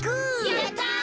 やった！